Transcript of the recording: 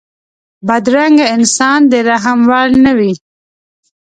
بدرنګه انسان د رحم وړ نه وي